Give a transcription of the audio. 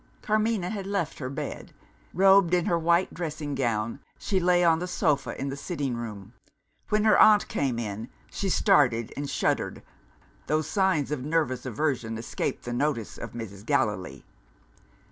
Carmina had left her bed. Robed in her white dressing gown, she lay on the sofa in the sitting room. When her aunt came in, she started and shuddered Those signs of nervous aversion escaped the notice of Mrs. Gallilee.